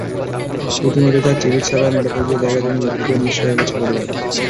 ইতিমধ্যে তাঁর চিকিৎসাব্যয় মেটাতে গিয়ে জায়গা-জমি বিক্রি করে নিঃস্ব হয়ে গেছে পরিবার।